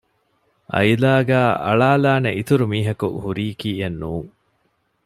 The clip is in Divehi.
އައިލާގައި އަޅާލާނެ އިތުރު މީހަކު ހުރިކީއެއްނޫން